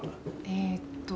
えっと